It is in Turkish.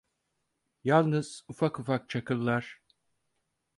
Yalnız ufak ufak çakıllar…